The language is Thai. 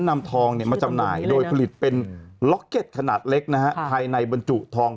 นำทองมาจำหน่ายโดยผลิตเป็นล็อกเก็ตขนาดเล็กนะฮะภายในบรรจุทอง